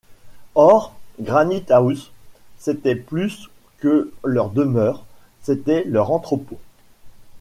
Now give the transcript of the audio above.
Or, Granite-house, c’était plus que leur demeure, c’était leur entrepôt